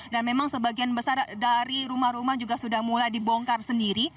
dan memang sebagian besar dari rumah rumah juga sudah mulai dibongkar sendiri